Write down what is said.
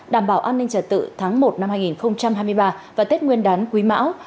đảm bảo an ninh trả tự tháng một năm hai nghìn hai mươi ba và tết nguyên đán quý mão